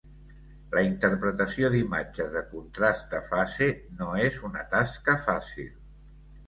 La interpretació d'imatges de contrast de fase no és una tasca fàcil.